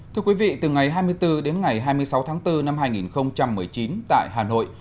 thưa quý vị từ ngày hai mươi bốn đến ngày hai mươi sáu tháng bốn năm hai nghìn một mươi chín tại hà nội